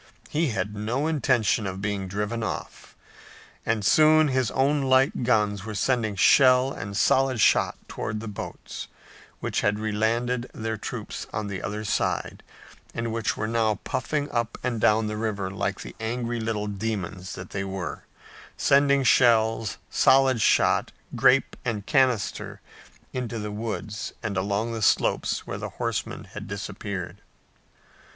He had no intention of being driven off, and soon his own light guns were sending shell and solid shot toward the boats, which had relanded their troops on the other side, and which were now puffing up and down the river like the angry little demons they were, sending shells, solid shot, grape and canister into the woods and along the slopes where the horsemen had disappeared.